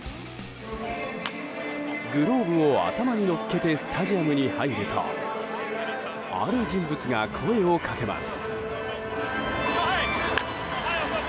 グローブを頭にのっけてスタジアムに入るとある人物が声を掛けます。